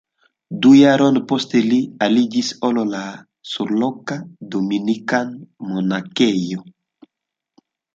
Du jarojn poste li aliĝis al la surloka dominikana monakejo.